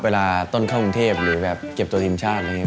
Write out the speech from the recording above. เวลาต้นข้าวกรุงเทพฯหรือเก็บตัวทีมชาติ